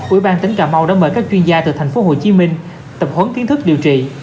ủy ban tỉnh cà mau đã mời các chuyên gia từ thành phố hồ chí minh tập huấn kiến thức điều trị